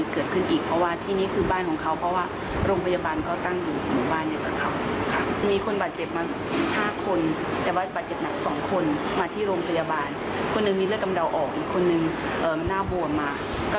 คนหนึ่งมีเลือดกำเดาออกคนหนึ่งหน้าบวมมา